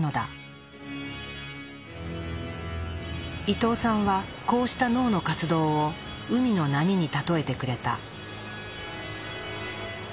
伊藤さんはこうした脳の活動を海の波に例えてくれた。